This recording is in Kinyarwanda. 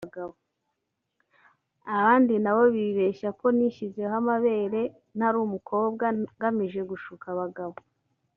abandi nabo bibeshya ko nishyizeho amabere ntari umukobwa ngamije gushuka abagabo